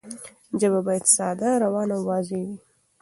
ژبه باید ساده، روانه او واضح وي.